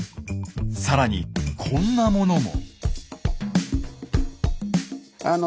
更にこんなものも。